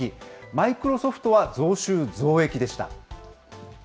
マイクロソフトは増収増益でした。